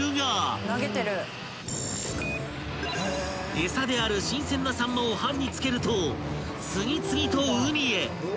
［エサである新鮮なサンマを針に付けると次々と海へ］